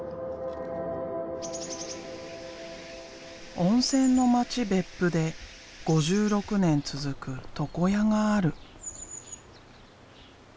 温泉の町別府で５６年続く床屋がある。